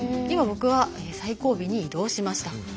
今、僕は最後尾に移動しました。